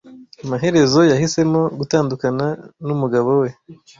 Amaherezo yahisemo gutandukana numugabo we.